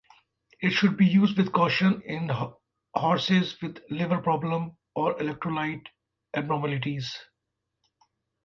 It should be used with caution in horses with liver problems or electrolyte abnormalities.